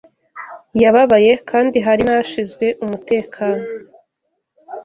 Yababaye kandi hari nashizwe umutekano